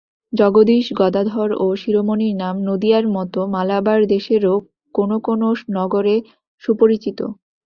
জগদীশ, গদাধর ও শিরোমণির নাম নদীয়ার মত মালাবার দেশেরও কোন কোন নগরে সুপরিচিত।